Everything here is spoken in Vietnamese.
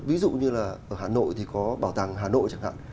ví dụ như là ở hà nội thì có bảo tàng hà nội chẳng hạn